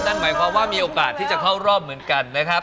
นั่นหมายความว่ามีโอกาสที่จะเข้ารอบเหมือนกันนะครับ